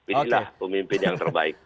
pilihlah pemimpin yang terbaik